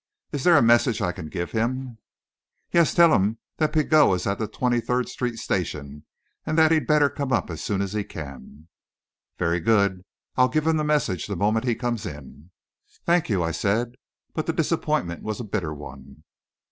Is there a message I can give him?" "Yes tell him Pigot is at the Twenty third Street station, and that he'd better come up as soon as he can." "Very good. I'll give him the message the moment he comes in." "Thank you," I said, but the disappointment was a bitter one.